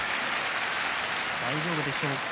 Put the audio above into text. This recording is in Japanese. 大丈夫でしょうか？